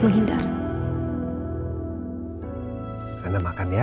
menghindar enggak makan ya